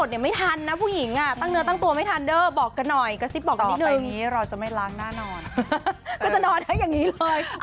ใช่ค่ะต้องตื่นมาแต่งหน้ารอทั้งอนาคต